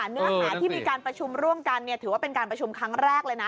เนื้อหาที่มีการประชุมร่วมกันถือว่าเป็นการประชุมครั้งแรกเลยนะ